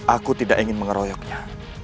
aku tidak ingin mengeroyoknya